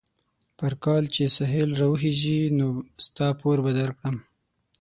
پر کال چې سهيل را وخېژي؛ نو ستا پور به در کړم.